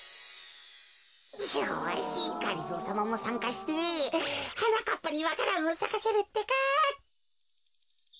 よしがりぞーさまもさんかしてはなかっぱにわか蘭をさかせるってか。